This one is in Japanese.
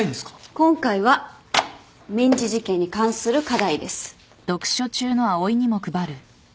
今回は民事事件に関する課題です。